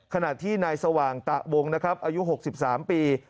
ขณะที่นายสว่างตะวงนะครับอายุ๖๓ปี